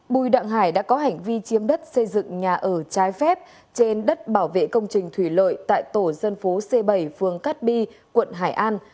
bùi đặng hải đã có hành vi chiếm đất xây dựng nhà ở trái phép trên đất bảo vệ công trình thủy lợi tại tổ dân phố c bảy phường cát bi quận hải an